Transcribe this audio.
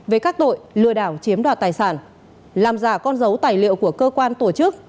về các tội lừa đảo chiếm đoạt tài sản làm giả con dấu tài liệu của cơ quan tổ chức